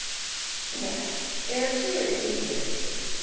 'Yes, if she repeats it.